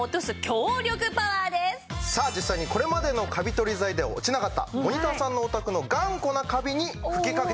さあ実際にこれまでのカビ取り剤では落ちなかったモニターさんのお宅の頑固なカビに吹きかけてみます。